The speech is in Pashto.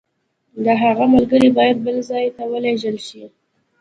د هغه ملګري باید بل ځای ته ولېږل شي.